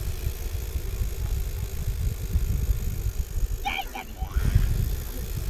These schools are internationally recognized and licensed to become member schools in Vietnam.